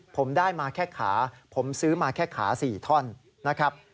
ผมได้มาแค่ขาผมซื้อมาแค่ขา๔ท่อนนะครับ